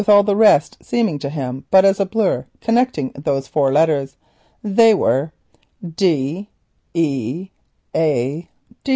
All the rest seemed to him but as a blur connecting those four letters. They were: D...............E...............a...............